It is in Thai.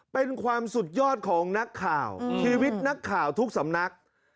เป็นความสุดยอดของนักข่าวชีวิตนักข่าวทุกสำนัก